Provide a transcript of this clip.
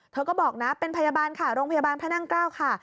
เธอก็บอกนะเป็นพยาบาลค่ะโรงพยาบาลพระนั่งเกล้าค่ะ